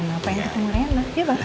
pengen ketemu rena